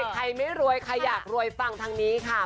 ใครไม่รวยใครอยากรวยฟังทางนี้ค่ะ